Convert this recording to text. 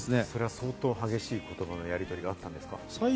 相当激しい言葉のやり取りがあったんですか？